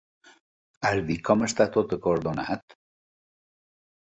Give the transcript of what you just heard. Has vist com està tot acordonat?